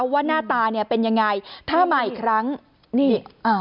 ว่าหน้าตาเนี่ยเป็นยังไงถ้ามาอีกครั้งนี่อ่า